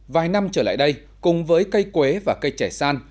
vài năm trở lại đây cùng với cây quế và cây trẻ san